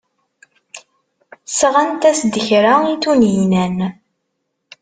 Sɣant-as-d kra i Tunhinan.